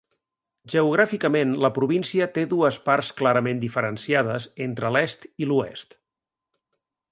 Geogràficament, la província té dues parts clarament diferenciades entre l'est i l'oest.